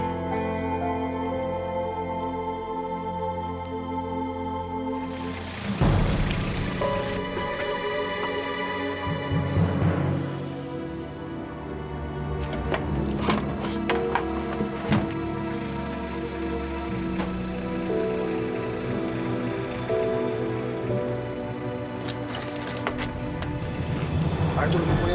ayo dulu kumpul ya